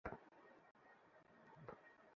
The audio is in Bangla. সব ইচ্ছা কি কার্যকর করেছ?